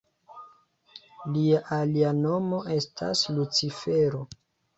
Lia alia nomo estas Lucifero.